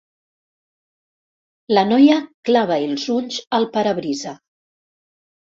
La noia clava els ulls al parabrisa.